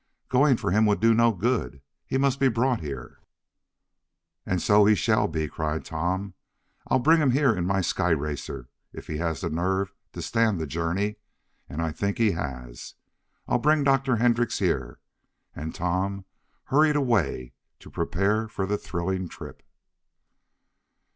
"Going for him would do no good. He must be brought here." "And so he shall be!" cried Tom. "I'll bring him here in my sky racer if he has the nerve to stand the journey, and I think he has! I'll bring Dr. Hendrix here!" and Tom hurried away to prepare for the thrilling trip.